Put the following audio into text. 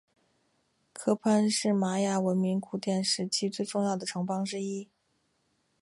科潘是玛雅文明古典时期最重要的城邦之一。